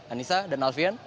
anissa dan alfian